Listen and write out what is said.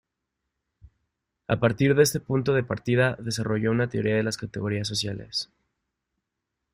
A partir de este punto de partida, desarrolló una teoría de las categorías sociales.